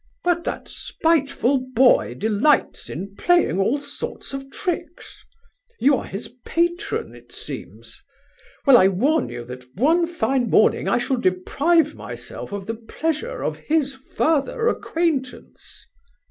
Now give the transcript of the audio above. But that spiteful boy delights in playing all sorts of tricks. You are his patron, it seems. Well, I warn you that one fine morning I shall deprive myself of the pleasure of his further acquaintance."